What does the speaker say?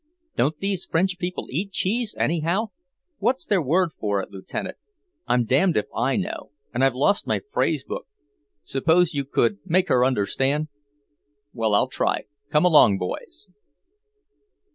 "Don't these French people eat cheese, anyhow? What's their word for it, Lieutenant? I'm damned if I know, and I've lost my phrase book. Suppose you could make her understand?" "Well, I'll try. Come along, boys."